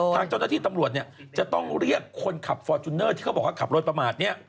ทางเจ้าหน้าที่ตำรวจจะต้องเรียกคนขับฟอร์จูเนอร์ที่เขาบอกว่าขับรถประมาทเนี่ย